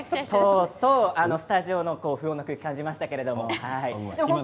スタジオの不穏な空気を感じました。